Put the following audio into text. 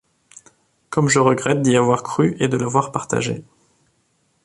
Comme je regrette d'y avoir cru et de l'avoir partagé.